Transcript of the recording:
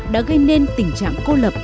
đã gây nên tình trạng cô lập